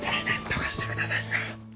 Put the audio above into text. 何とかしてくださいよ。